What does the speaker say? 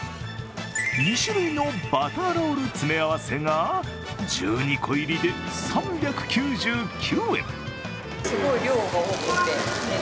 ２種類のバターロール詰め合わせが１２個入りで３９９円。